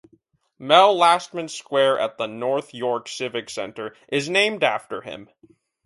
Mel Lastman Square at the North York Civic Centre is named after him.